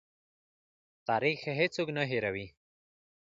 تاریخ هېڅوک نه هېروي.